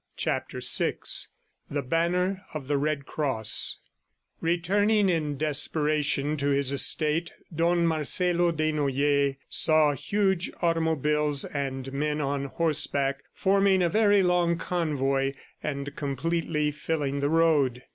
CHAPTER VI THE BANNER OF THE RED CROSS Returning in desperation to his estate, Don Marcelo Desnoyers saw huge automobiles and men on horseback, forming a very long convoy and completely filling the road.